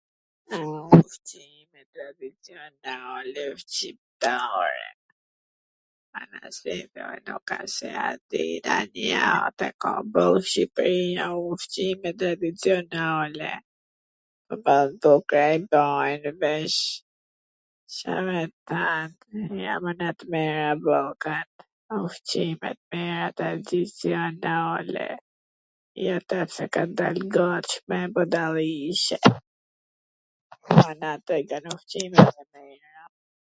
ka boll Shqipria ushqime tradicionale shqiptare, ushqime t mira tradicionale, jo tash se kan dal t gatshme budalliqe